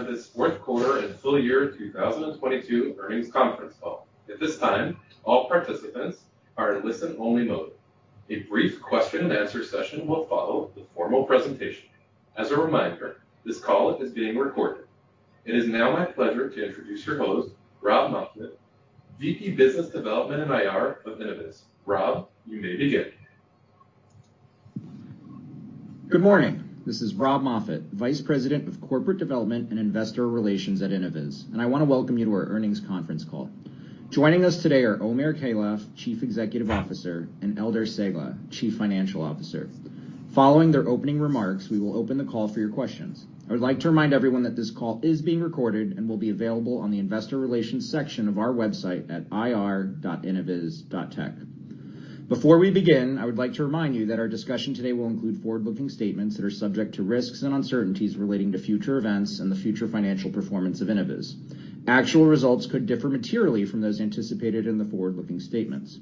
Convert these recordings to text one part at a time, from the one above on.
Welcome to Innoviz fourth quarter and full year 2022 earnings conference call. At this time, all participants are in listen-only mode. A brief question and answer session will follow the formal presentation. As a reminder, this call is being recorded. It is now my pleasure to introduce your host, Rob Moffatt, VP Business Development and IR of Innoviz. Rob, you may begin. Good morning. This is Rob Moffatt, Vice President of Corporate Development and Investor Relations at Innoviz. I want to welcome you to our earnings conference call. Joining us today are Omer Keilaf, Chief Executive Officer, and Eldar Cegla, Chief Financial Officer. Following their opening remarks, we will open the call for your questions. I would like to remind everyone that this call is being recorded and will be available on the investor relations section of our website at ir.innoviz.tech. Before we begin, I would like to remind you that our discussion today will include forward-looking statements that are subject to risks and uncertainties relating to future events and the future financial performance of Innoviz. Actual results could differ materially from those anticipated in the forward-looking statements.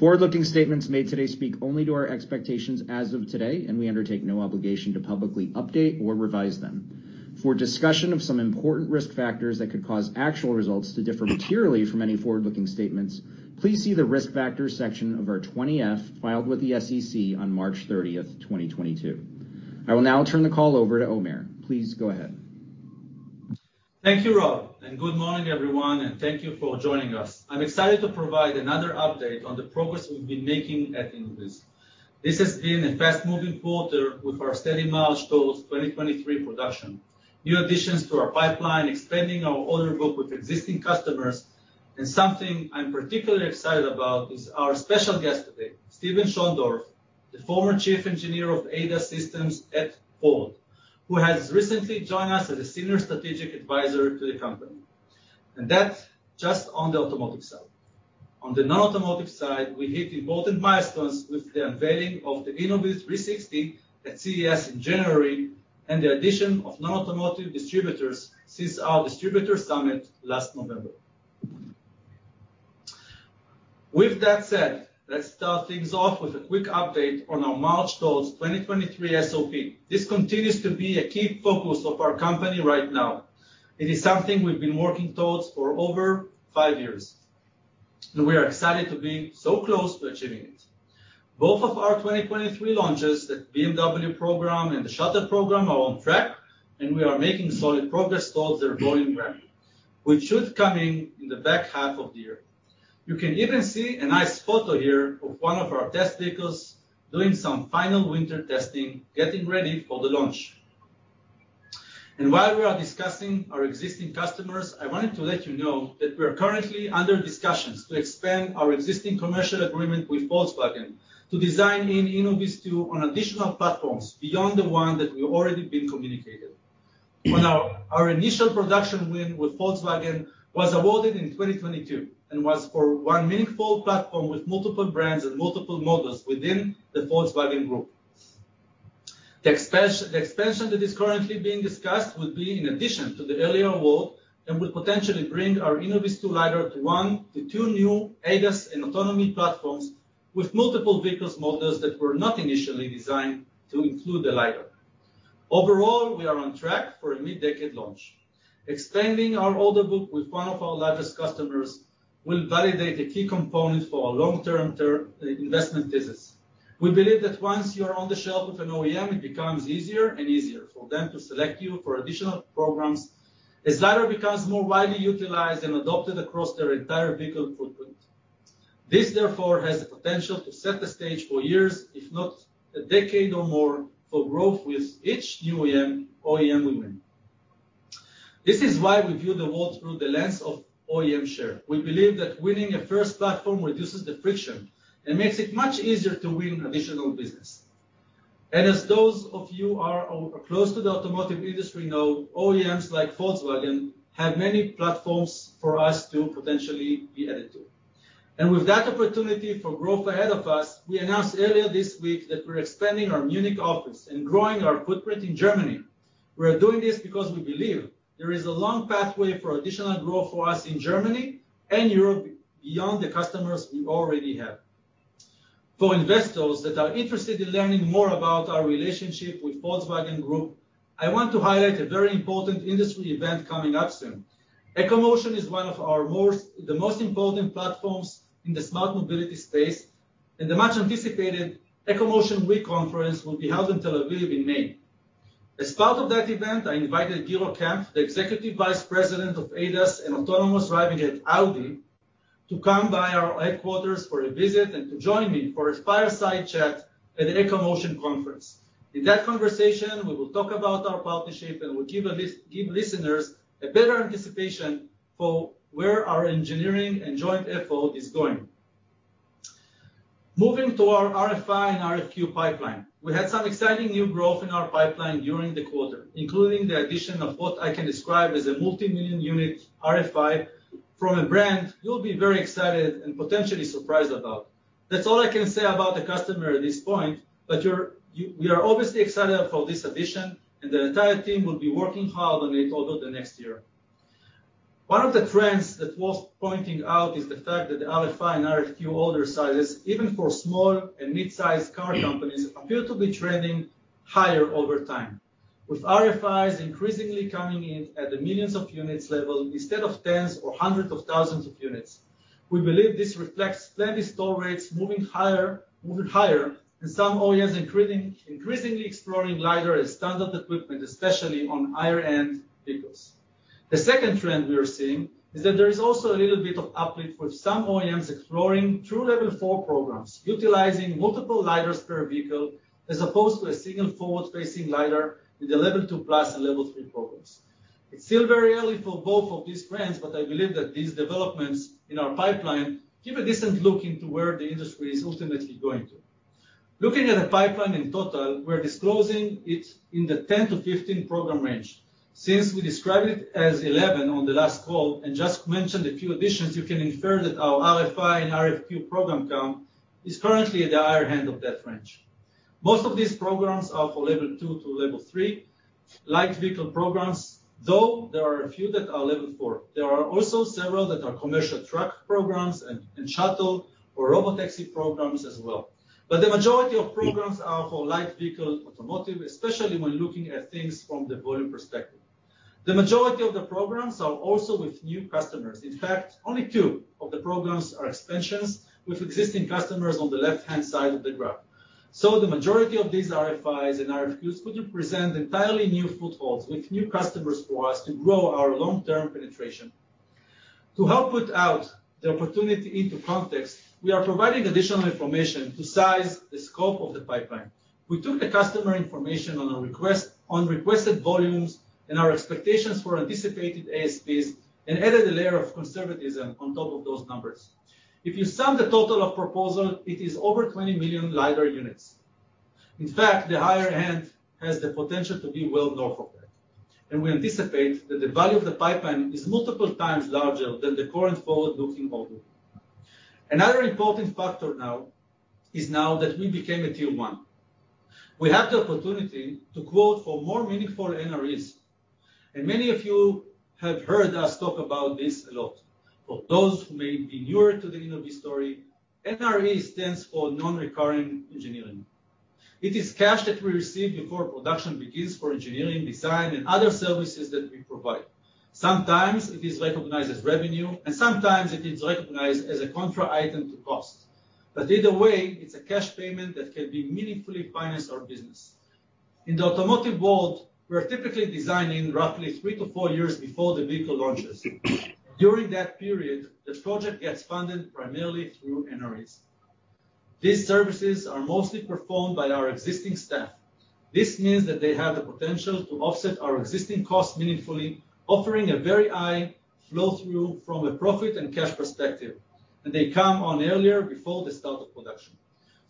Forward-looking statements made today speak only to our expectations as of today. We undertake no obligation to publicly update or revise them. For discussion of some important risk factors that could cause actual results to differ materially from any forward-looking statements, please see the Risk Factors section of our 20-F filed with the SEC on March 30th, 2022. I will now turn the call over to Omer. Please go ahead. Thank you, Rob, good morning, everyone, thank you for joining us. I'm excited to provide another update on the progress we've been making at Innoviz. This has been a fast-moving quarter with our steady milestones 2023 production, new additions to our pipeline, expanding our order book with existing customers, and something I'm particularly excited about is our special guest today, Steven Schondorf, the former Chief Engineer of ADAS Systems at Ford, who has recently joined us as a Senior Strategic Advisor to the company. That's just on the automotive side. On the non-automotive side, we hit important milestones with the unveiling of the Innoviz360 at CES in January and the addition of non-automotive distributors since our distributor summit last November. With that said, let's start things off with a quick update on our milestones 2023 SOP. This continues to be a key focus of our company right now. It is something we've been working towards for over five years. We are excited to be so close to achieving it. Both of our 2023 launches, the BMW program and the Shuttle program, are on track, and we are making solid progress towards their volume ramp, which should come in in the back half of the year. You can even see a nice photo here of one of our test vehicles doing some final winter testing, getting ready for the launch. While we are discussing our existing customers, I wanted to let you know that we are currently under discussions to expand our existing commercial agreement with Volkswagen to design in InnovizTwo on additional platforms beyond the one that we already been communicated. Our initial production win with Volkswagen was awarded in 2022 and was for one meaningful platform with multiple brands and multiple models within the Volkswagen Group. The expansion that is currently being discussed would be in addition to the earlier award and will potentially bring our Innoviz to lidar to one to two new ADAS and autonomy platforms with multiple vehicles models that were not initially designed to include the lidar. We are on track for a mid-decade launch. Expanding our order book with one of our largest customers will validate a key component for our long-term investment business. We believe that once you are on the shelf with an OEM, it becomes easier and easier for them to select you for additional programs as lidar becomes more widely utilized and adopted across their entire vehicle footprint. This, therefore, has the potential to set the stage for years, if not a decade or more, for growth with each new OEM we win. This is why we view the world through the lens of OEM share. We believe that winning a first platform reduces the friction and makes it much easier to win additional business. As those of you are close to the automotive industry know, OEMs like Volkswagen have many platforms for us to potentially be added to. With that opportunity for growth ahead of us, we announced earlier this week that we're expanding our Munich office and growing our footprint in Germany. We are doing this because we believe there is a long pathway for additional growth for us in Germany and Europe beyond the customers we already have. For investors that are interested in learning more about our relationship with Volkswagen Group, I want to highlight a very important industry event coming up soon. EcoMotion is the most important platforms in the smart mobility space. The much-anticipated EcoMotion Week conference will be held in Tel Aviv in May. As part of that event, I invited Gero Kempf, the Executive Vice President of ADAS and Autonomous Driving at Audi, to come by our headquarters for a visit and to join me for a fireside chat at the EcoMotion conference. In that conversation, we will talk about our partnership. We'll give listeners a better anticipation for where our engineering and joint effort is going. Moving to our RFI and RFQ pipeline. We had some exciting new growth in our pipeline during the quarter, including the addition of what I can describe as a multi-million-unit RFI from a brand you'll be very excited and potentially surprised about. That's all I can say about the customer at this point, but we are obviously excited for this addition, and the entire team will be working hard on it over the next year. One of the trends that worth pointing out is the fact that the RFI and RFQ order sizes, even for small and mid-sized car companies, appear to be trending higher over time, with RFIs increasingly coming in at the millions of units level instead of tens or hundreds of thousands of units. We believe this reflects plenty store rates moving higher, and some OEMs increasingly exploring lidar as standard equipment, especially on higher-end vehicles. The second trend we are seeing is that there is also a little bit of uplift with some OEMs exploring true Level 4 programs, utilizing multiple lidar per vehicle as opposed to a single forward-facing lidar with the Level 2+ and Level 3 programs. It's still very early for both of these trends, but I believe that these developments in our pipeline give a decent look into where the industry is ultimately going to. Looking at the pipeline in total, we're disclosing it in the 10-15 program range. Since we described it as 11 on the last call and just mentioned a few additions, you can infer that our RFI and RFQ program count is currently at the higher end of that range. Most of these programs are for Level 2 to Level 3 light vehicle programs, though there are a few that are Level four. There are also several that are commercial truck programs and shuttle or robotaxi programs as well. The majority of programs are for light vehicle automotive, especially when looking at things from the volume perspective. The majority of the programs are also with new customers. In fact, only two of the programs are extensions with existing customers on the left-hand side of the graph. The majority of these RFIs and RFQs could represent entirely new footholds with new customers for us to grow our long-term penetration. To help put out the opportunity into context, we are providing additional information to size the scope of the pipeline. We took the customer information on requested volumes and our expectations for anticipated ASPs and added a layer of conservatism on top of those numbers. If you sum the total of proposal, it is over 20 million lidar units. In fact, the higher end has the potential to be well north of that. We anticipate that the value of the pipeline is multiple times larger than the current forward-looking order. Another important factor now is that we became a Tier 1. We have the opportunity to quote for more meaningful NREs. Many of you have heard us talk about this a lot. For those who may be newer to the Innoviz story, NRE stands for Non-Recurring Engineering. It is cash that we receive before production begins for engineering, design, and other services that we provide. Sometimes it is recognized as revenue, and sometimes it is recognized as a contra item to cost. Either way, it's a cash payment that can be meaningfully finance our business. In the automotive world, we're typically designing roughly 3-4 years before the vehicle launches. During that period, the project gets funded primarily through NREs. These services are mostly performed by our existing staff. This means that they have the potential to offset our existing costs meaningfully, offering a very high flow-through from a profit and cash perspective, and they come on earlier before the start of production.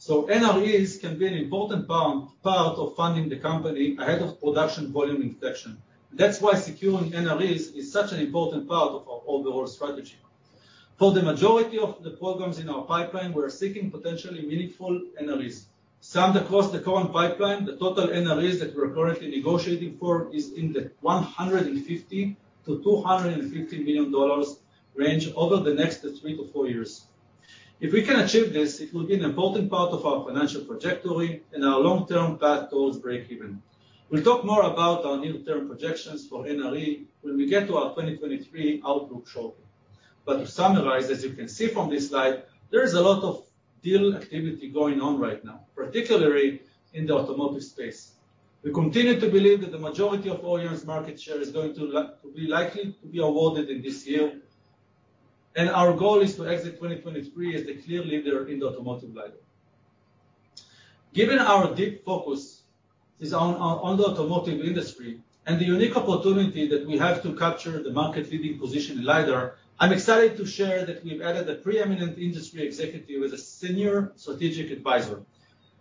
NREs can be an important part of funding the company ahead of production volume inflection. That's why securing NREs is such an important part of our overall strategy. For the majority of the programs in our pipeline, we're seeking potentially meaningful NREs. Summed across the current pipeline, the total NREs that we're currently negotiating for is in the $150 million-$250 million range over the next three to four years. If we can achieve this, it will be an important part of our financial trajectory and our long-term path towards breakeven. We'll talk more about our near-term projections for NRE when we get to our 2023 outlook show. To summarize, as you can see from this slide, there is a lot of deal activity going on right now, particularly in the automotive space. We continue to believe that the majority of OEMs' market share is going to be likely to be awarded in this year. Our goal is to exit 2023 as the clear leader in the automotive lidar. Given our deep focus is on the automotive industry and the unique opportunity that we have to capture the market leading position in lidar, I'm excited to share that we've added a pre-eminent industry executive as a senior strategic advisor.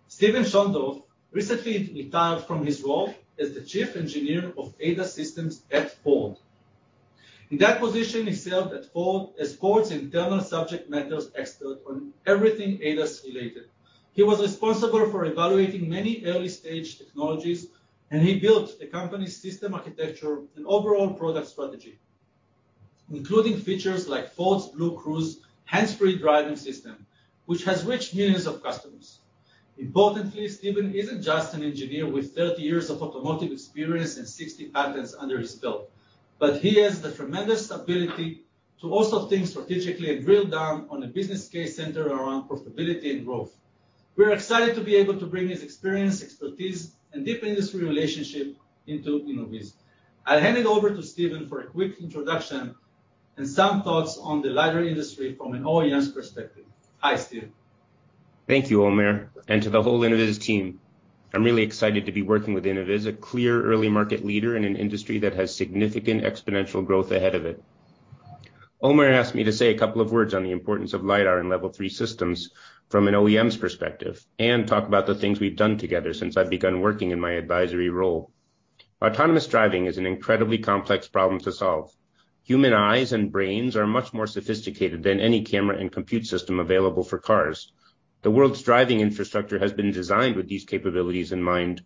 Steven Schondorf recently retired from his role as the Chief Engineer of ADAS systems at Ford. In that position, he served at Ford as Ford's internal subject matters expert on everything ADAS related. He was responsible for evaluating many early-stage technologies. He built the company's system architecture and overall product strategy, including features like Ford's BlueCruise hands-free driving system, which has reached millions of customers. Importantly, Steven isn't just an engineer with 30 years of automotive experience and 60 patents under his belt. He has the tremendous ability to also think strategically and drill down on a business case centered around profitability and growth. We are excited to be able to bring his experience, expertise, and deep industry relationship into Innoviz. I'll hand it over to Steven for a quick introduction and some thoughts on the lidar industry from an OEM's perspective. Hi, Steven. Thank you, Omer, and to the whole Innoviz team. I'm really excited to be working with Innoviz, a clear early market leader in an industry that has significant exponential growth ahead of it. Omer asked me to say a couple of words on the importance of lidar and Level 3 systems from an OEM's perspective and talk about the things we've done together since I've begun working in my advisory role. Autonomous driving is an incredibly complex problem to solve. Human eyes and brains are much more sophisticated than any camera and compute system available for cars. The world's driving infrastructure has been designed with these capabilities in mind.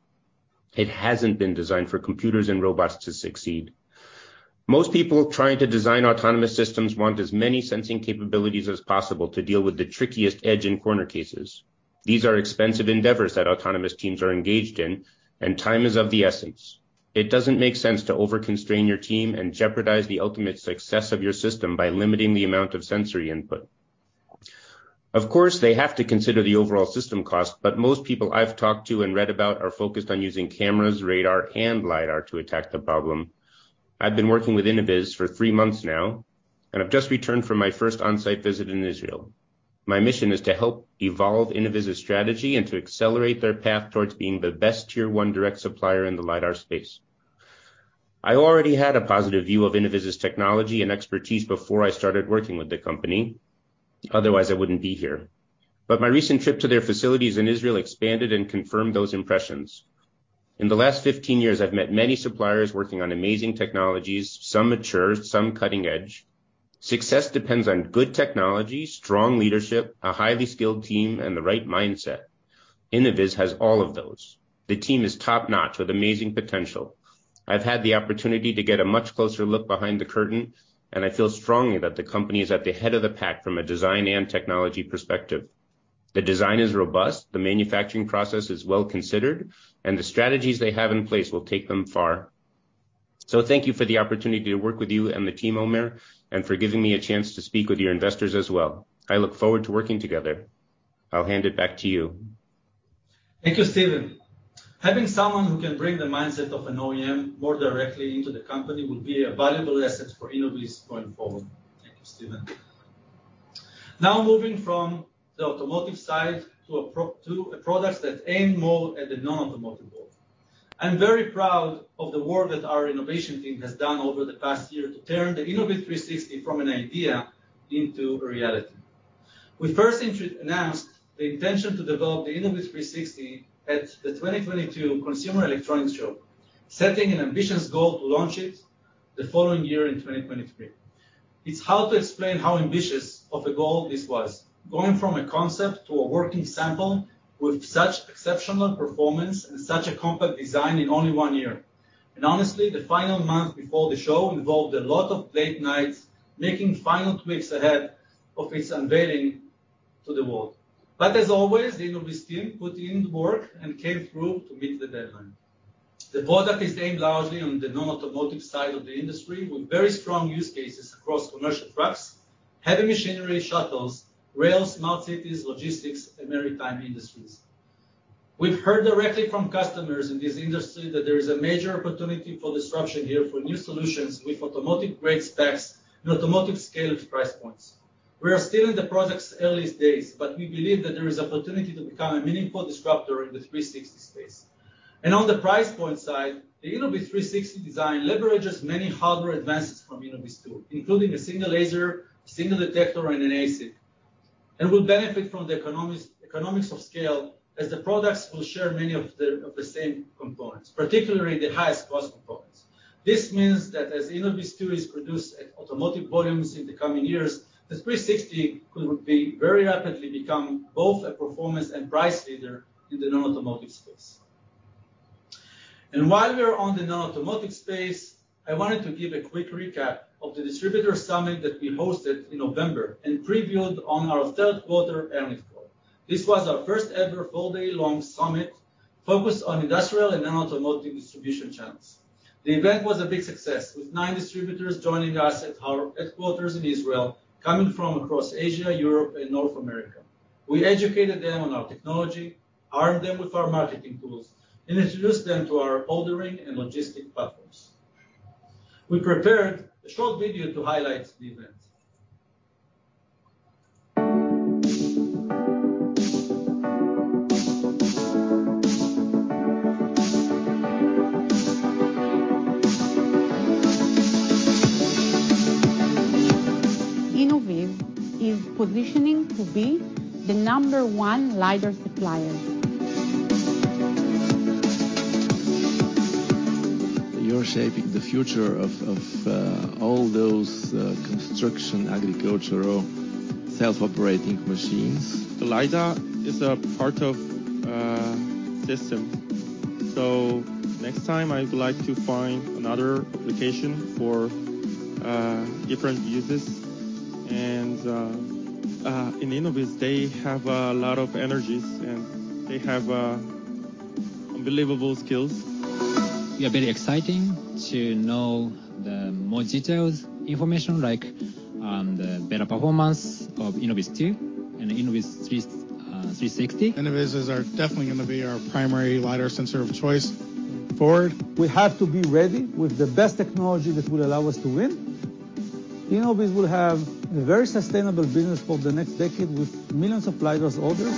It hasn't been designed for computers and robots to succeed. Most people trying to design autonomous systems want as many sensing capabilities as possible to deal with the trickiest edge and corner cases. These are expensive endeavors that autonomous teams are engaged in, and time is of the essence. It doesn't make sense to overconstrain your team and jeopardize the ultimate success of your system by limiting the amount of sensory input. Of course, they have to consider the overall system cost, but most people I've talked to and read about are focused on using cameras, radar, and lidar to attack the problem. I've been working with Innoviz for three months now, and I've just returned from my first on-site visit in Israel. My mission is to help evolve Innoviz's strategy and to accelerate their path towards being the best Tier 1 direct supplier in the lidar space. I already had a positive view of Innoviz's technology and expertise before I started working with the company. Otherwise, I wouldn't be here. My recent trip to their facilities in Israel expanded and confirmed those impressions. In the last 15 years, I've met many suppliers working on amazing technologies, some mature, some cutting edge. Success depends on good technology, strong leadership, a highly skilled team, and the right mindset. Innoviz has all of those. The team is top-notch with amazing potential. I've had the opportunity to get a much closer look behind the curtain, and I feel strongly that the company is at the head of the pack from a design and technology perspective. The design is robust, the manufacturing process is well considered, and the strategies they have in place will take them far. Thank you for the opportunity to work with you and the team, Omer, and for giving me a chance to speak with your investors as well. I look forward to working together. I'll hand it back to you. Thank you, Steven. Having someone who can bring the mindset of an OEM more directly into the company will be a valuable asset for Innoviz going forward. Thank you, Steven. Moving from the automotive side to products that aim more at the non-automotive world. I'm very proud of the work that our innovation team has done over the past year to turn the Innoviz360 from an idea into a reality. We first announced the intention to develop the Innoviz360 at the 2022 Consumer Electronics Show, setting an ambitious goal to launch it the following year in 2023. It's hard to explain how ambitious of a goal this was, going from a concept to a working sample with such exceptional performance and such a compact design in only one year. Honestly, the final month before the show involved a lot of late nights making final tweaks ahead of its unveiling to the world. As always, the Innoviz team put in the work and came through to meet the deadline. The product is aimed largely on the non-automotive side of the industry with very strong use cases across commercial trucks, heavy machinery, shuttles, rails, smart cities, logistics, and maritime industries. We've heard directly from customers in this industry that there is a major opportunity for disruption here for new solutions with automotive-grade specs and automotive-scaled price points. We are still in the product's earliest days, but we believe that there is opportunity to become a meaningful disruptor in the 360 space. On the price point side, the Innoviz360 design leverages many hardware advances from InnovizTwo, including a single laser, single detector, and an ASIC, and will benefit from the economics of scale as the products will share many of the same components, particularly the highest cost components. This means that as InnovizTwo is produced at automotive volumes in the coming years, the Innoviz360 could be very rapidly become both a performance and price leader in the non-automotive space. While we are on the non-automotive space, I wanted to give a quick recap of the distributor summit that we hosted in November and previewed on our third quarter earnings call. This was our first-ever full day-long summit focused on industrial and non-automotive distribution channels. The event was a big success, with nine distributors joining us at our headquarters in Israel, coming from across Asia, Europe, and North America. We educated them on our technology, armed them with our marketing tools, and introduced them to our ordering and logistic platforms. We prepared a short video to highlight the event. Innoviz is positioning to be the number one lidar supplier. You're shaping the future of all those construction, agricultural, self-operating machines. The lidar is a part of a system, so next time I would like to find another application for different uses. In Innoviz, they have a lot of energies, and they have unbelievable skills. We are very exciting to know the more details, information like, the better performance of InnovizTwo and Innoviz360. Innoviz' are definitely gonna be our primary lidar sensor of choice going forward. We have to be ready with the best technology that will allow us to win. Innoviz will have a very sustainable business for the next decade with millions of lidars orders.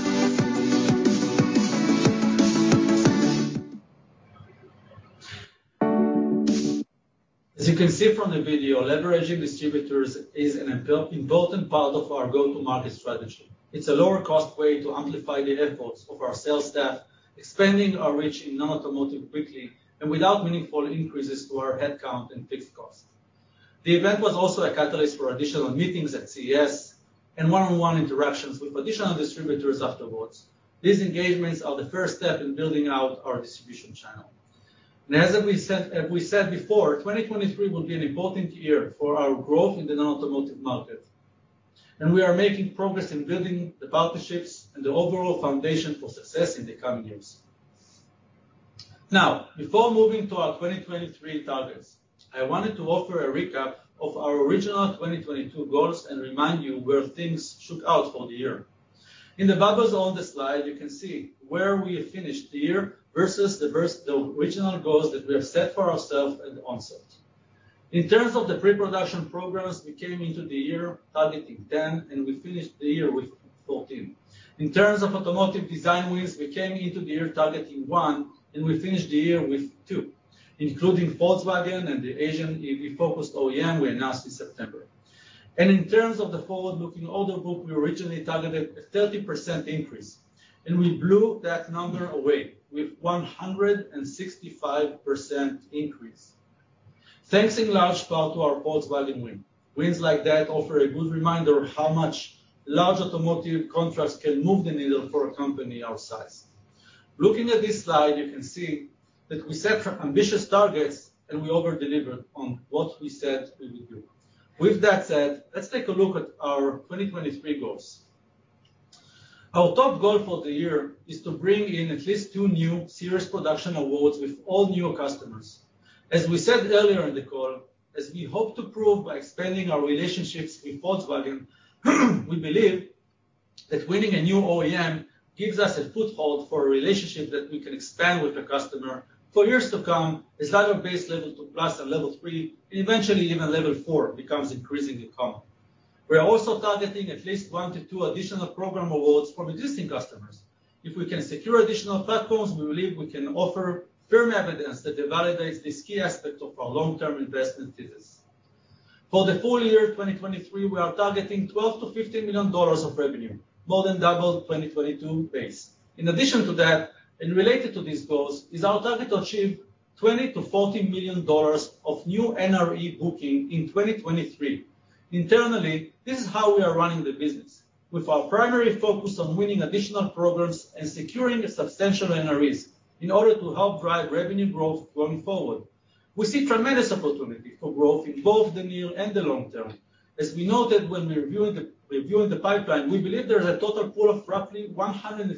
As you can see from the video, leveraging distributors is an important part of our go-to-market strategy. It's a lower-cost way to amplify the efforts of our sales staff, expanding our reach in non-automotive quickly and without meaningful increases to our headcount and fixed costs. The event was also a catalyst for additional meetings at CES and one-on-one interactions with additional distributors afterwards. These engagements are the first step in building out our distribution channel. As we said before, 2023 will be an important year for our growth in the non-automotive market, and we are making progress in building the partnerships and the overall foundation for success in the coming years. Before moving to our 2023 targets, I wanted to offer a recap of our original 2022 goals and remind you where things shook out for the year. In the bubbles on the slide, you can see where we have finished the year versus the original goals that we have set for ourselves at the onset. In terms of the pre-production programs, we came into the year targeting 10, and we finished the year with 14. In terms of automotive design wins, we came into the year targeting one, and we finished the year with two, including Volkswagen and the Asian EV-focused OEM we announced in September. In terms of the forward-looking order book, we originally targeted a 30% increase, and we blew that number away with 165% increase, thanks in large part to our Volkswagen win. Wins like that offer a good reminder of how much large automotive contracts can move the needle for a company our size. Looking at this slide, you can see that we set ambitious targets, and we over-delivered on what we said we would do. With that said, let's take a look at our 2023 goals. Our top goal for the year is to bring in at least two new series production awards with all new customers. As we said earlier in the call, as we hope to prove by expanding our relationships with Volkswagen, we believe that winning a new OEM gives us a foothold for a relationship that we can expand with the customer for years to come as lidar-based Level 2+ and Level 3, and eventually even Level 4, becomes increasingly common. We are also targeting at least 1-2 additional program awards from existing customers. If we can secure additional platforms, we believe we can offer firm evidence that validates this key aspect of our long-term investment thesis. For the full year 2023, we are targeting $12 million-$15 million of revenue, more than double the 2022 base. In addition to that, related to these goals, is our target to achieve $20 million-$40 million of new NRE booking in 2023. Internally, this is how we are running the business, with our primary focus on winning additional programs and securing substantial NREs in order to help drive revenue growth going forward. We see tremendous opportunity for growth in both the near and the long term. As we noted when reviewing the pipeline, we believe there is a total pool of roughly $150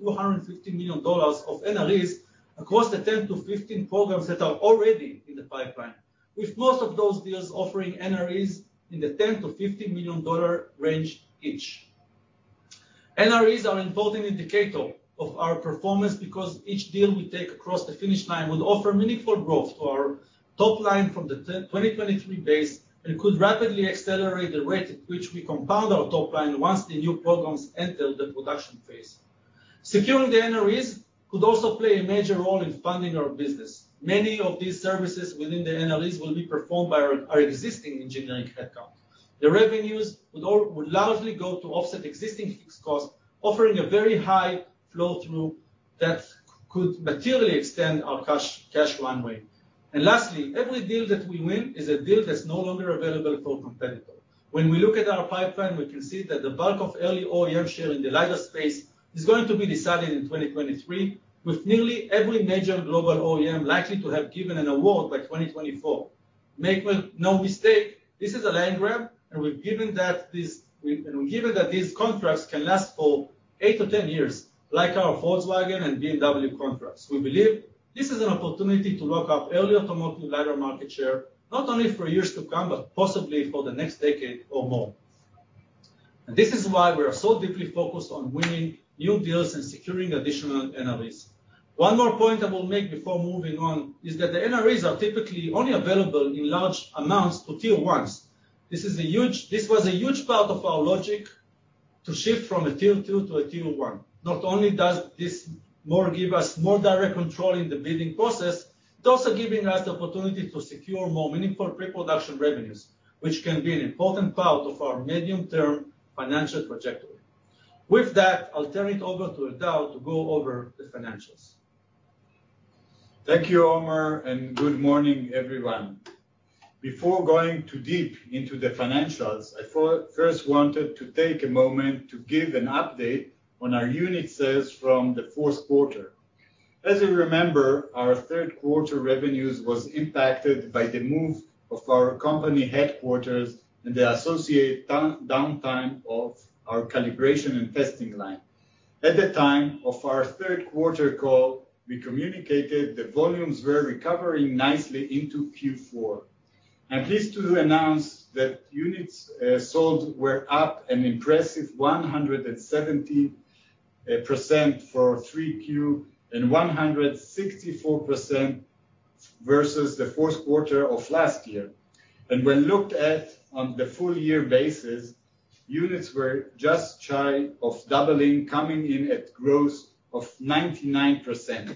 million-$250 million of NREs across the 10-15 programs that are already in the pipeline, with most of those deals offering NREs in the $10 million-$50 million range each. NREs are an important indicator of our performance because each deal we take across the finish line will offer meaningful growth to our top line from the 2023 base and could rapidly accelerate the rate at which we compound our top line once the new programs enter the production phase. Securing the NREs could also play a major role in funding our business. Many of these services within the NREs will be performed by our existing engineering headcount. The revenues would largely go to offset existing fixed costs, offering a very high flow through that could materially extend our cash runway. Lastly, every deal that we win is a deal that's no longer available to a competitor. When we look at our pipeline, we can see that the bulk of early OEM share in the lidar space is going to be decided in 2023, with nearly every major global OEM likely to have given an award by 2024. Make no mistake, this is a land grab, and we're given that these contracts can last for 8-10 years, like our Volkswagen and BMW contracts. We believe this is an opportunity to lock up early automotive lidar market share, not only for years to come, but possibly for the next decade or more. This is why we are so deeply focused on winning new deals and securing additional NREs. One more point I will make before moving on is that the NREs are typically only available in large amounts to Tier 1s. This was a huge part of our logic to shift from a Tier 2 to a Tier 1. Not only does this more give us more direct control in the bidding process, it's also giving us the opportunity to secure more meaningful pre-production revenues, which can be an important part of our medium-term financial trajectory. With that, I'll turn it over to Eldar to go over the financials. Thank you, Omer. Good morning, everyone. Before going too deep into the financials, I first wanted to take a moment to give an update on our unit sales from the fourth quarter. As you remember, our third quarter revenues was impacted by the move of our company headquarters and the associated downtime of our calibration and testing line. At the time of our third quarter call, we communicated that volumes were recovering nicely into Q4. I'm pleased to announce that units sold were up an impressive 170% for 3Q and 164% versus the fourth quarter of last year. When looked at on the full year basis, units were just shy of doubling, coming in at growth of 99%.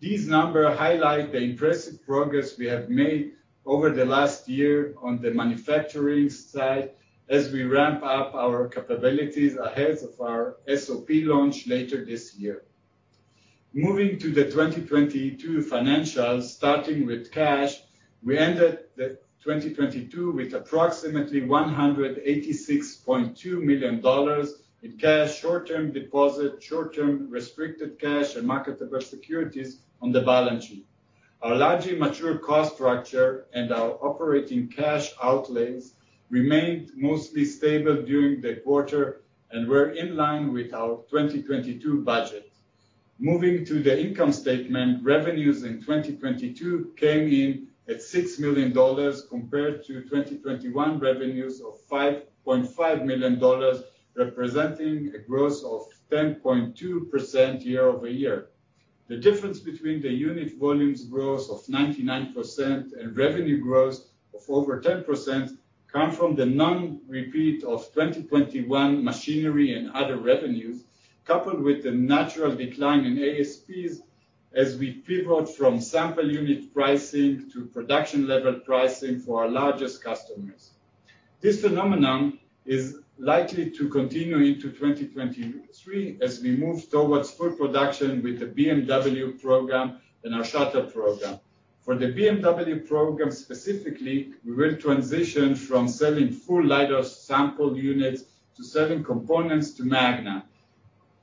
These number highlight the impressive progress we have made over the last year on the manufacturing side as we ramp up our capabilities ahead of our SOP launch later this year. Moving to the 2022 financials, starting with cash, we ended the 2022 with approximately $186.2 million in cash, short-term deposits, short-term restricted cash, and marketable securities on the balance sheet. Our largely mature cost structure and our operating cash outlays remained mostly stable during the quarter and were in line with our 2022 budget. Moving to the income statement, revenues in 2022 came in at $6 million compared to 2021 revenues of $5.5 million, representing a growth of 10.2% year-over-year. The difference between the unit volumes growth of 99% and revenue growth of over 10% come from the non-repeat of 2021 machinery and other revenues, coupled with the natural decline in ASPs as we pivot from sample unit pricing to production level pricing for our largest customers. This phenomenon is likely to continue into 2023 as we move towards full production with the BMW program and our Shuttle program. For the BMW program specifically, we will transition from selling full lidar sample units to selling components to Magna,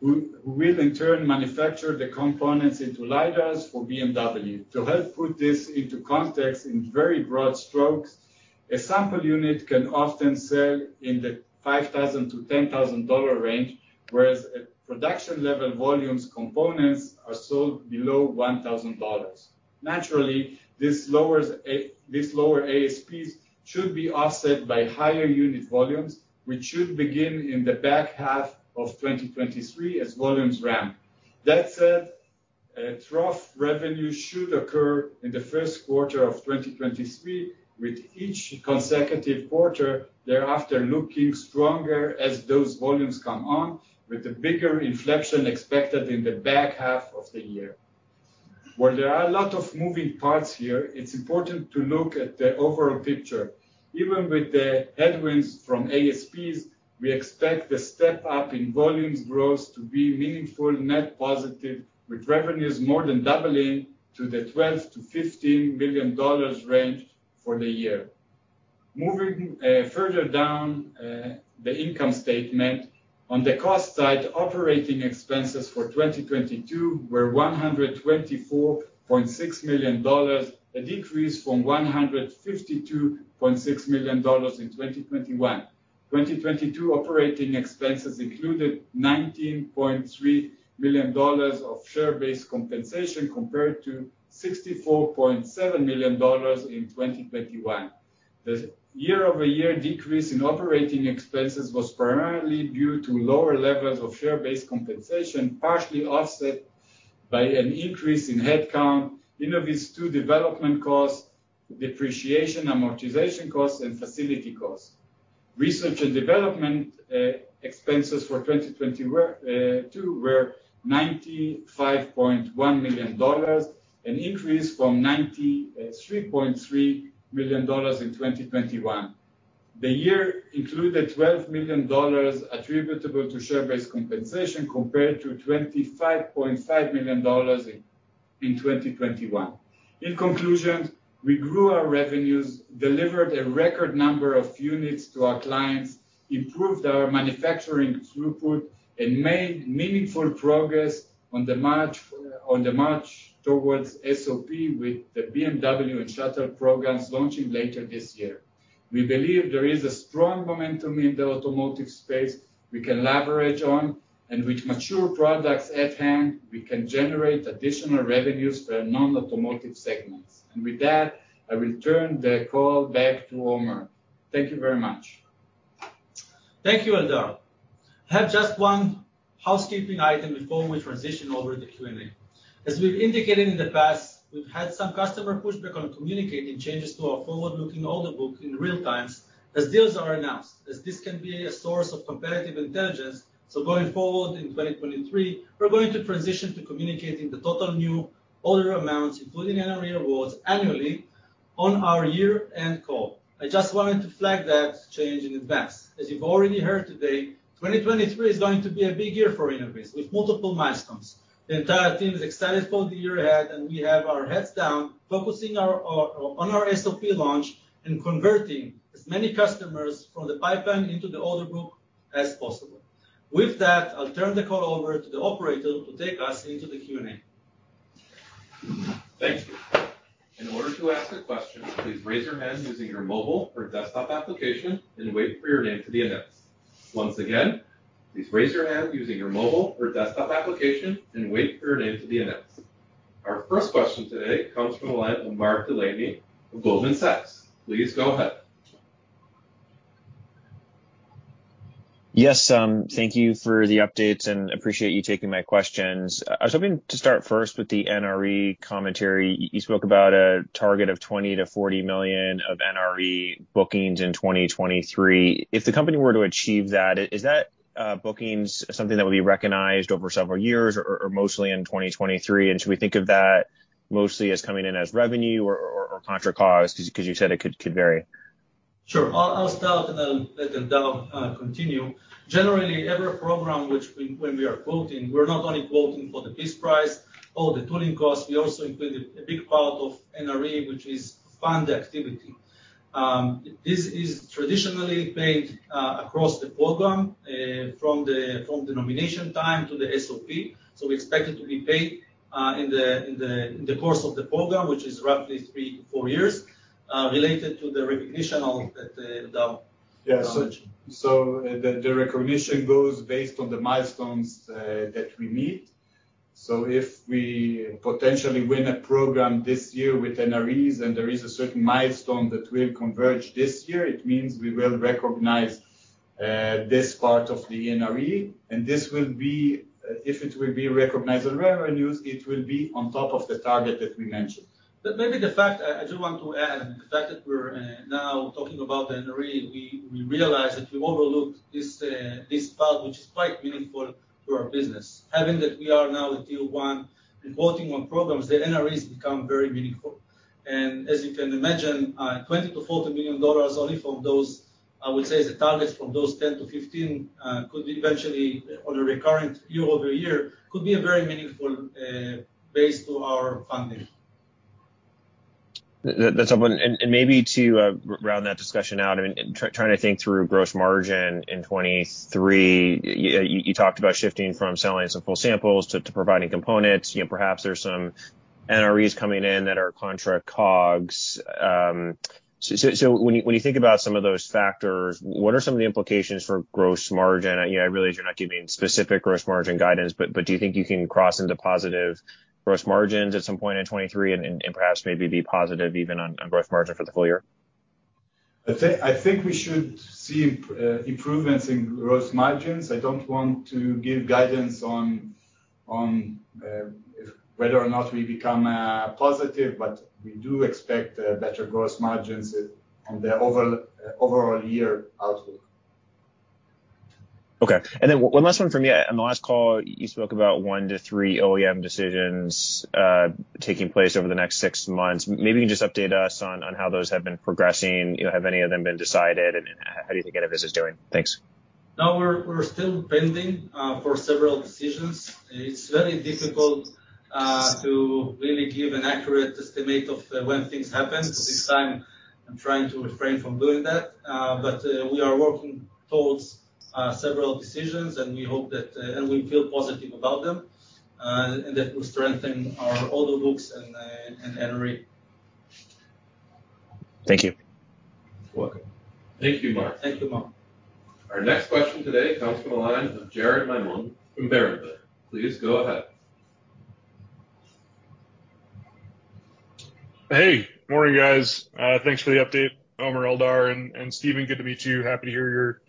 who will in turn manufacture the components into lidars for BMW. To help put this into context in very broad strokes, a sample unit can often sell in the $5,000-$10,000 range, whereas at production level volumes, components are sold below $1,000. Naturally, this lower ASPs should be offset by higher unit volumes, which should begin in the back half of 2023 as volumes ramp. That said, a trough revenue should occur in the 1st quarter of 2023, with each consecutive quarter thereafter looking stronger as those volumes come on, with a bigger inflection expected in the back half of the year. While there are a lot of moving parts here, it's important to look at the overall picture. Even with the headwinds from ASPs, we expect the step up in volumes growth to be meaningful net positive, with revenues more than doubling to the $12 million-$15 million range for the year. Moving further down the income statement, on the cost side, operating expenses for 2022 were $124.6 million, a decrease from $152.6 million in 2021. 2022 operating expenses included $19.3 million of share-based compensation compared to $64.7 million in 2021. The year-over-year decrease in operating expenses was primarily due to lower levels of share-based compensation, partially offset by an increase in headcount, InnovizTwo development costs, depreciation, amortization costs, and facility costs. Research and development expenses for 2022 were $95.1 million, an increase from $93.3 million in 2021. The year included $12 million attributable to share-based compensation compared to $25.5 million in 2021. In conclusion, we grew our revenues, delivered a record number of units to our clients, improved our manufacturing throughput, and made meaningful progress on the march towards SOP with the BMW and Shuttle programs launching later this year. We believe there is a strong momentum in the automotive space we can leverage on. With mature products at hand, we can generate additional revenues for our non-automotive segments. With that, I return the call back to Omer. Thank you very much. Thank you, Eldar. I have just one housekeeping item before we transition over to Q&A. As we've indicated in the past, we've had some customer pushback on communicating changes to our forward-looking order book in real time as deals are announced, as this can be a source of competitive intelligence. Going forward in 2023, we're going to transition to communicating the total new order amounts, including NRE awards, annually on our year-end call. I just wanted to flag that change in advance. As you've already heard today, 2023 is going to be a big year for Innoviz with multiple milestones. The entire team is excited for the year ahead, and we have our heads down, focusing on our SOP launch and converting as many customers from the pipeline into the order book as possible. With that, I'll turn the call over to the operator to take us into the Q&A. Thank you. In order to ask a question, please raise your hand using your mobile or desktop application and wait for your name to be announced. Once again, please raise your hand using your mobile or desktop application and wait for your name to be announced. Our first question today comes from the line of Mark Delaney of Goldman Sachs. Please go ahead. Thank you for the updates and appreciate you taking my questions. I was hoping to start first with the NRE commentary. You spoke about a target of $20 million-$40 million of NRE bookings in 2023. If the company were to achieve that, is that bookings something that would be recognized over several years or mostly in 2023? And should we think of that mostly as coming in as revenue or contra costs? 'Cause you said it could vary. Sure. I'll start. I'll let Eldar continue. Generally, every program when we are quoting, we're not only quoting for the piece price or the tooling cost, we also included a big part of NRE, which is fund activity. This is traditionally paid across the program from the nomination time to the SOP. We expect it to be paid in the course of the program, which is roughly 3-4 years, related to the recognition of the Eldar. The recognition goes based on the milestones that we meet. If we potentially win a program this year with NREs, and there is a certain milestone that will converge this year, it means we will recognize this part of the NRE, and this will be, if it will be recognized as revenues, it will be on top of the target that we mentioned. Maybe the fact, I do want to add, the fact that we're now talking about the NRE, we realize that we overlooked this part, which is quite meaningful to our business. Having that we are now at Tier 1 and quoting on programs, the NREs become very meaningful. As you can imagine, $20 million-$40 million only from those, I would say the targets from those 10-15, could eventually, on a recurrent year-over-year, could be a very meaningful base to our funding. That's helpful. maybe to round that discussion out, I mean, trying to think through gross margin in 2023, you talked about shifting from selling some full samples to providing components. You know, perhaps there's some NREs coming in that are contra COGS. when you think about some of those factors, what are some of the implications for gross margin? I, you know, I realize you're not giving specific gross margin guidance, but do you think you can cross into positive gross margins at some point in 2023 and perhaps maybe be positive even on gross margin for the full year? I think we should see improvements in gross margins. I don't want to give guidance on whether or not we become positive, but we do expect better gross margins on the overall year outlook. Okay. One last one from me. On the last call, you spoke about 1-3 OEM decisions taking place over the next six months. Maybe you can just update us on how those have been progressing. You know, have any of them been decided, and how do you think Innoviz is doing? Thanks. We're still pending for several decisions. It's very difficult to really give an accurate estimate of when things happen. This time I'm trying to refrain from doing that. We are working towards several decisions. We feel positive about them, and that will strengthen our order books and NRE. Thank you. You're welcome. Thank you, Mark. Thank you, Mark. Our next question today comes from the line of Jared Maymon from Berenberg. Please go ahead. Morning, guys. Thanks for the update. Omer, Eldar, and Steven, good to meet you. Happy to hear you're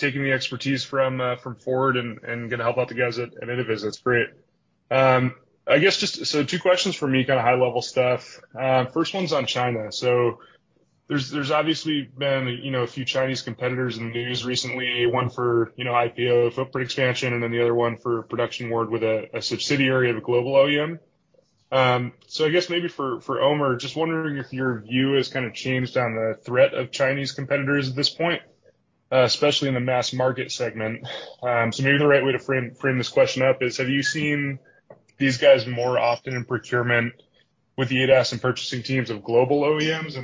taking the expertise from Ford and gonna help out the guys at Innoviz. That's great. I guess just two questions from me, kinda high-level stuff. First one's on China. There's obviously been, you know, a few Chinese competitors in the news recently. One for, you know, IPO footprint expansion, and then the other one for production work with a subsidiary of a global OEM. I guess maybe for Omer, just wondering if your view has kinda changed on the threat of Chinese competitors at this point, especially in the mass market segment. Maybe the right way to frame this question up is, have you seen these guys more often in procurement with the ADAS and purchasing teams of global OEMs?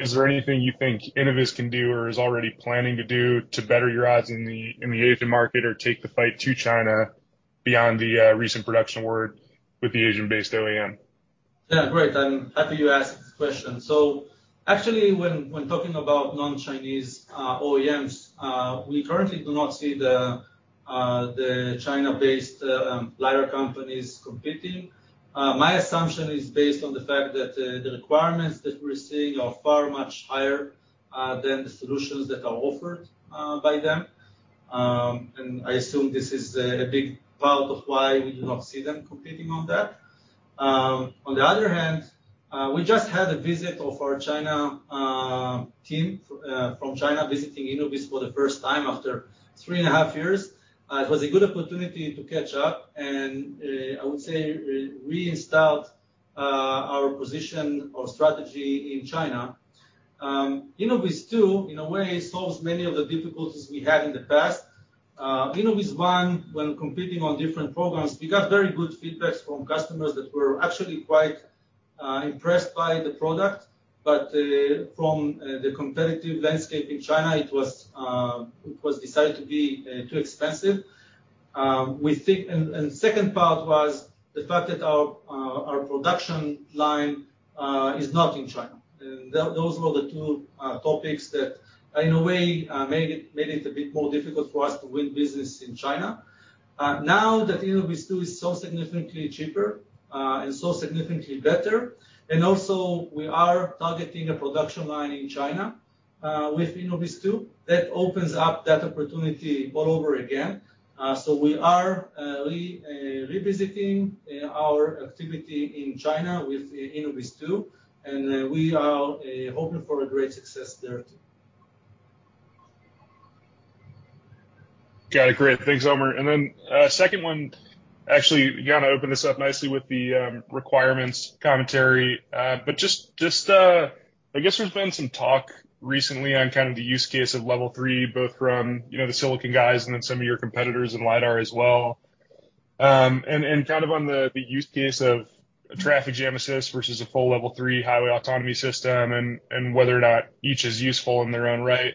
Is there anything you think Innoviz can do or is already planning to do to better your odds in the Asian market or take the fight to China beyond the recent production award with the Asian-based OEM? Yeah, great. I'm happy you asked this question. Actually, when talking about non-Chinese OEMs, we currently do not see the China-based lidar companies competing. My assumption is based on the fact that the requirements that we're seeing are far much higher than the solutions that are offered by them. I assume this is a big part of why we do not see them competing on that. On the other hand, we just had a visit of our China team from China visiting Innoviz for the first time after 3.5 years. It was a good opportunity to catch up and I would say reinstall our position or strategy in China. InnovizTwo, in a way, solves many of the difficulties we had in the past. InnovizOne, when competing on different programs, we got very good feedbacks from customers that were actually quite impressed by the product. From the competitive landscape in China, it was decided to be too expensive. We think... Second part was the fact that our production line is not in China. Those were the two topics that in a way made it a bit more difficult for us to win business in China. Now that InnovizTwo is so significantly cheaper and so significantly better, and also we are targeting a production line in China with InnovizTwo, that opens up that opportunity all over again. We are revisiting our activity in China with InnovizTwo. We are hoping for a great success there too. Got it. Great. Thanks, Omer. Second one, actually, you kinda opened this up nicely with the requirements commentary. Just, I guess there's been some talk recently on kind of the use case of Level 3, both from, you know, the silicon guys and then some of your competitors in lidar as well. And kind of on the use case of traffic jam assist versus a full Level 3 highway autonomy system and whether or not each is useful in their own right.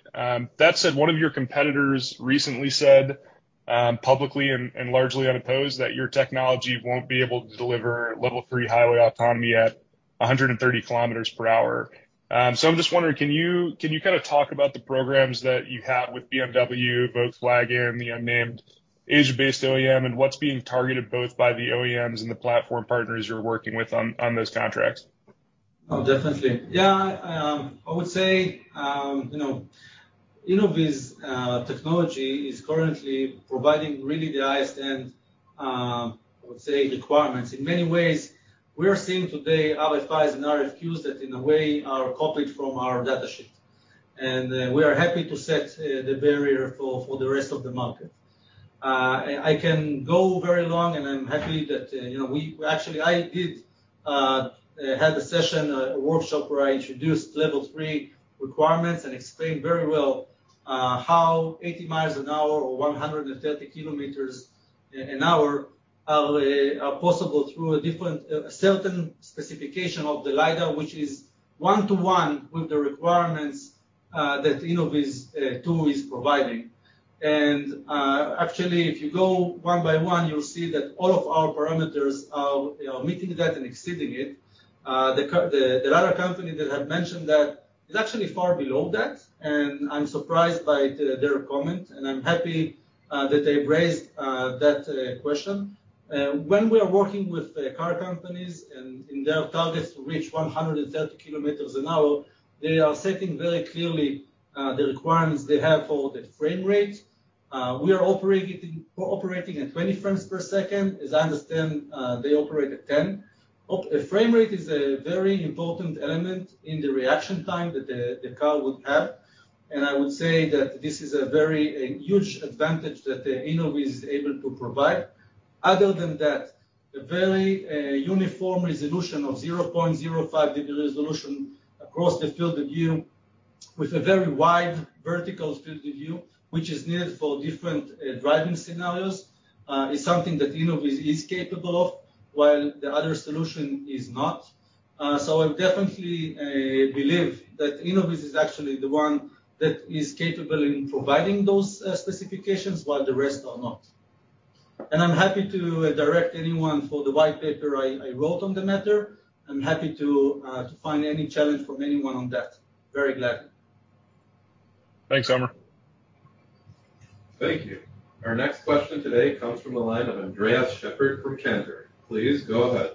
That said, one of your competitors recently said publicly and largely unopposed, that your technology won't be able to deliver Level 3 highway autonomy at 130 kilometers per hour. I'm just wondering, can you kinda talk about the programs that you have with BMW, Volkswagen, the unnamed Asia-based OEM, and what's being targeted both by the OEMs and the platform partners you're working with on those contracts? Oh, definitely. Yeah. I would say, you know, Innoviz technology is currently providing really the highest-end, I would say, requirements. In many ways, we are seeing today RFIs and RFQs that, in a way, are copied from our data sheet. We are happy to set the barrier for the rest of the market. I can go very long, and I'm happy that, you know, actually, I did have a session, a workshop where I introduced Level 3 requirements and explained very well how 80 miles an hour or 130 kilometers an hour are possible through a different, certain specification of the lidar, which is one to one with the requirements that InnovizTwo is providing. Actually, if you go one by one, you'll see that all of our parameters are, you know, meeting that and exceeding it. The other company that had mentioned that is actually far below that, and I'm surprised by their comment, and I'm happy that they've raised that question. When we are working with the car companies and in their targets to reach 130 kilometers an hour, they are setting very clearly the requirements they have for the frame rate. We're operating at 20 frames per second. As I understand, they operate at 10. Frame rate is a very important element in the reaction time that the car would have. I would say that this is a very, a huge advantage that Innoviz is able to provide. Other than that, the very uniform resolution of 0.05 degree resolution across the field of view with a very wide vertical field of view, which is needed for different driving scenarios, is something that Innoviz is capable of, while the other solution is not. So I definitely believe that Innoviz is actually the one that is capable in providing those specifications while the rest are not. I'm happy to direct anyone for the white paper I wrote on the matter. I'm happy to find any challenge from anyone on that. Very gladly. Thanks, Omer. Thank you. Our next question today comes from the line of Andres Sheppard from Cantor. Please go ahead.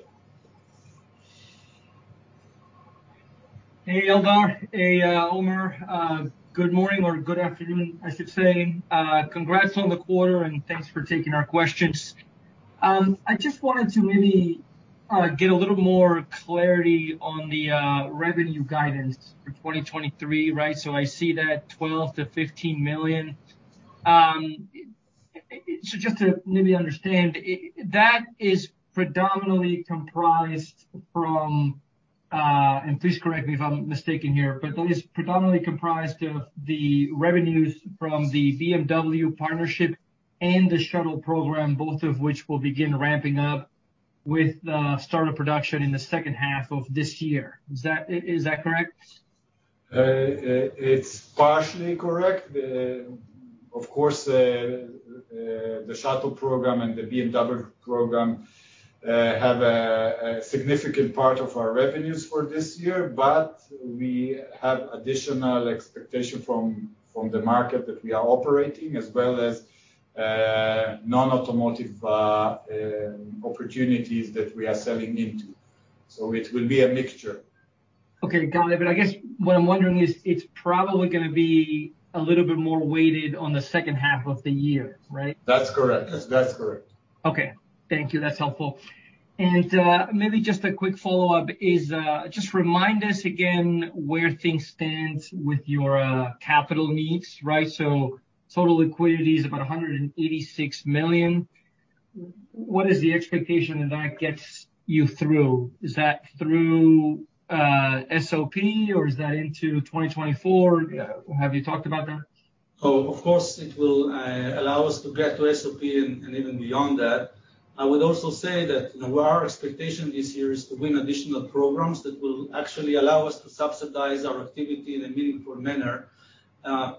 Hey, Eldar. Hey, Omer. Good morning or good afternoon, I should say. Congrats on the quarter, and thanks for taking our questions. I just wanted to maybe get a little more clarity on the revenue guidance for 2023, right? I see that $12 million-$15 million. Just to maybe understand, that is predominantly comprised from, and please correct me if I'm mistaken here, but that is predominantly comprised of the revenues from the BMW partnership and the shuttle program, both of which will begin ramping up with the start of production in the second half of this year. Is that, is that correct? It's partially correct. Of course, the shuttle program and the BMW program have a significant part of our revenues for this year. We have additional expectation from the market that we are operating as well as non-automotive opportunities that we are selling into. It will be a mixture. Okay. Got it. I guess what I'm wondering is it's probably gonna be a little bit more weighted on the second half of the year, right? That's correct. That's correct. Okay. Thank you. That's helpful. Maybe just a quick follow-up is, just remind us again where things stand with your capital needs, right? Total liquidity is about $186 million. What is the expectation that that gets you through? Is that through SOP or is that into 2024? Yeah. Have you talked about that? Of course, it will allow us to get to SOP and even beyond that. I would also say that, you know, our expectation this year is to win additional programs that will actually allow us to subsidize our activity in a meaningful manner.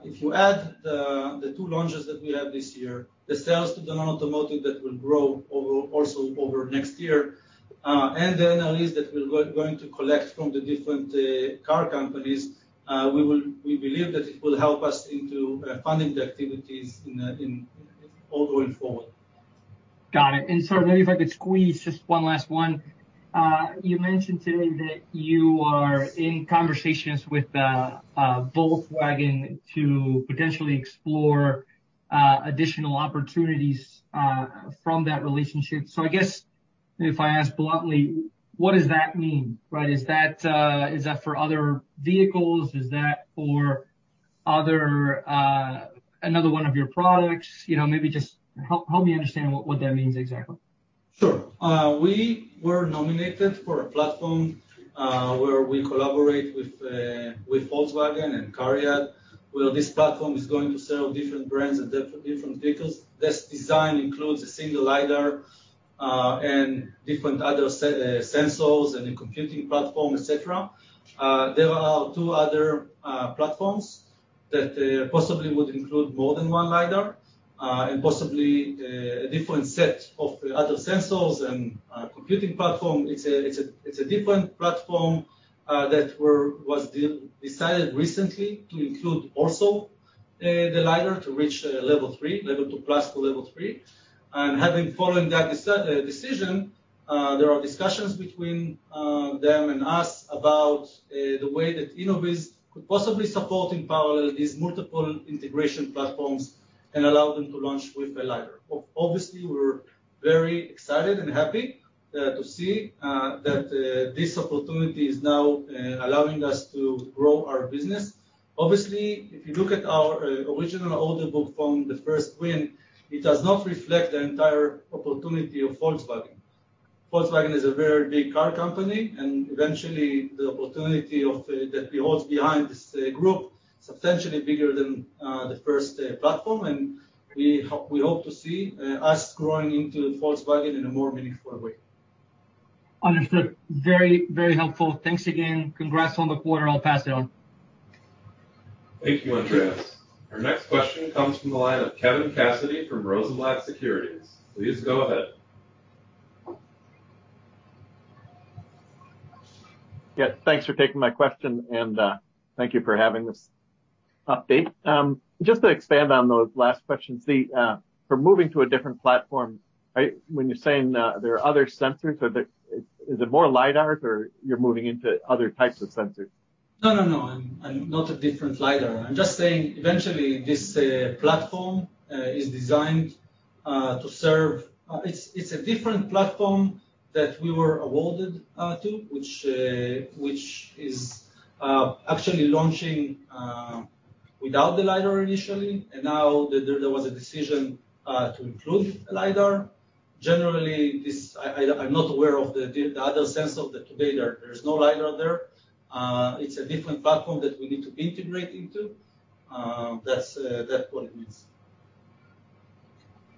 If you add the two launches that we have this year, the sales to the non-automotive that will grow over also over next year, and the NREs that we're going to collect from the different car companies, we believe that it will help us into funding the activities in all going forward. Got it. Maybe if I could squeeze just one last one. You mentioned today that you are in conversations with Volkswagen to potentially explore additional opportunities from that relationship. If I ask bluntly, what does that mean, right? Is that for other vehicles? Is that for another one of your products? You know, maybe just help me understand what that means exactly. Sure. We were nominated for a platform where we collaborate with Volkswagen and CARIAD, where this platform is going to sell different brands and different vehicles. This design includes a single lidar and different other sensors and a computing platform, et cetera. There are two other platforms that possibly would include more than one lidar and possibly a different set of other sensors and computing platform. It's a different platform that was decided recently to include also the lidar to reach Level 2+ to Level 3. Having following that decision, there are discussions between them and us about the way that Innoviz could possibly support in parallel these multiple integration platforms and allow them to launch with a lidar. Obviously, we're very excited and happy to see that this opportunity is now allowing us to grow our business. Obviously, if you look at our original order book from the first win, it does not reflect the entire opportunity of Volkswagen. Volkswagen is a very big car company, eventually the opportunity that beholds behind this group substantially bigger than the first platform. We hope to see us growing into Volkswagen in a more meaningful way. Understood. Very, very helpful. Thanks again. Congrats on the quarter. I'll pass it on. Thank you, Andres. Our next question comes from the line of Kevin Cassidy from Rosenblatt Securities. Please go ahead. Thanks for taking my question, and thank you for having this update. Just to expand on those last questions, the for moving to a different platform, right? When you're saying, there are other sensors, is it more lidars or you're moving into other types of sensors? No, no. I'm. Not a different lidar. I'm just saying eventually this platform is designed to serve. It's a different platform that we were awarded to, which is actually launching without the lidar initially, and now there was a decision to include lidar. Generally, this. I'm not aware of the other sense of the. Today, there's no lidar there. It's a different platform that we need to integrate into. That's that what it means.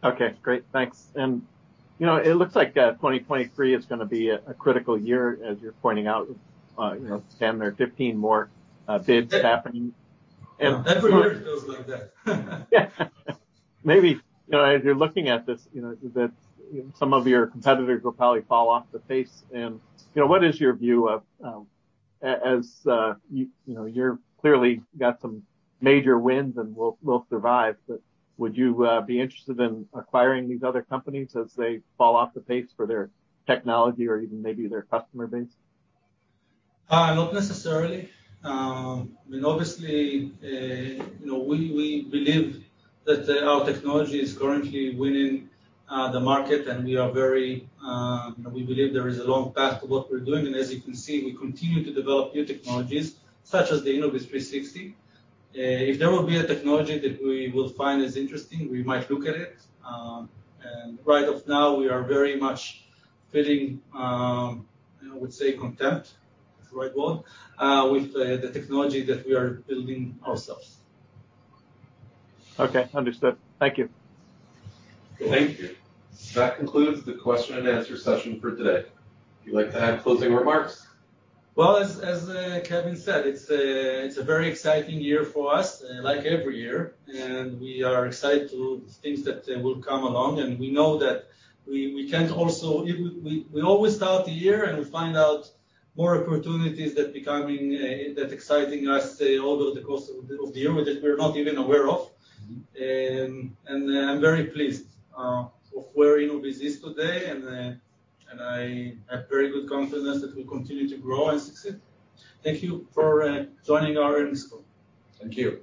Okay. Great. Thanks. You know, it looks like 2023 is going to be a critical year, as you're pointing out. You know, 10 or 15 more bids happening. Every year feels like that. Maybe, you know, as you're looking at this, you know, that some of your competitors will probably fall off the pace and, you know, what is your view of, you know, you're clearly got some major wins and will survive, but would you be interested in acquiring these other companies as they fall off the pace for their technology or even maybe their customer base? Not necessarily. I mean, obviously, you know, we believe that our technology is currently winning the market, and we are very, you know, we believe there is a long path to what we're doing. As you can see, we continue to develop new technologies, such as the Innoviz360. If there will be a technology that we will find as interesting, we might look at it. Right of now, we are very much feeling, I would say content, if the right word, with the technology that we are building ourselves. Okay. Understood. Thank you. Thank you. That concludes the question and answer session for today. Would you like to add closing remarks? As Kevin said, it's a very exciting year for us, like every year, we are excited to things that will come along. We always start the year, we find out more opportunities that becoming that exciting us all through the course of the year which that we're not even aware of. I'm very pleased of where Innoviz is today, I have very good confidence that we'll continue to grow and succeed. Thank you for joining our earnings call. Thank you.